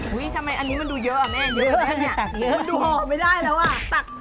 อูยทำไมอันนี้มันดูเยอะม่ะแม่เยอะใช่มะนะดูหอบไม่ได้แล้วอ่ะ